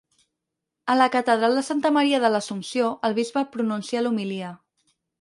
A la catedral de Santa Maria de l'Assumpció el bisbe pronuncia l'homilia.